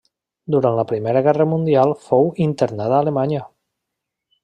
Durant la Primera Guerra Mundial fou internat a Alemanya.